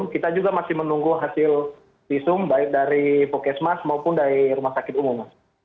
kita juga masih menunggu hasil visum baik dari pokesmas maupun dari rumah sakit umum